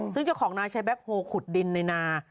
ซึ่งเจ้าของนายใช้แบ็คโฮลขุดดินในนา